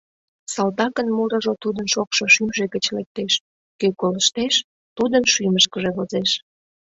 Салтакын мурыжо тудын шокшо шӱмжӧ гыч лектеш, кӧ колыштеш, тудын шӱмышкыжӧ возеш.